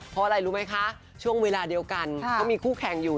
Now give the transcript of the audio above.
เพราะอะไรรู้ไหมคะช่วงเวลาเดียวกันเขามีคู่แข่งอยู่